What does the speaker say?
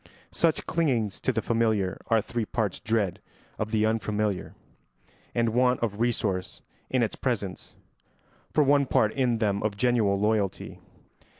Such clingings to the familiar are three parts dread of the unfamiliar and want of resource in its presence, for one part in them of genuine loyalty.